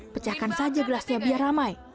pecahkan saja gelasnya biar ramai